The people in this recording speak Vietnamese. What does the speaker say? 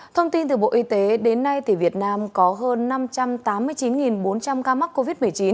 thông tin từ bộ y tế đến nay việt nam có hơn năm trăm tám mươi chín bốn trăm linh ca mắc covid một mươi chín